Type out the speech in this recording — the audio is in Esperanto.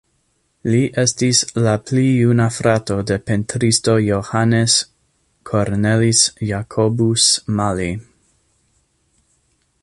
Li estis la pli juna frato de pentristo Johannes Cornelis Jacobus Mali.